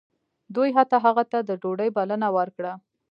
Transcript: دوی حتی هغه ته د ډوډۍ بلنه ورکړه